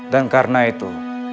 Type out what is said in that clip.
dan karena itu